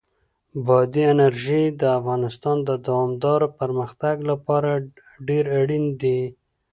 بادي انرژي د افغانستان د دوامداره پرمختګ لپاره ډېر اړین دي.